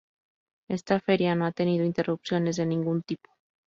Esta feria no ha tenido interrupciones de ningún tipo.